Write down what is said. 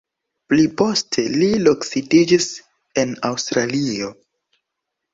Pli poste li loksidiĝis en Aŭstralio.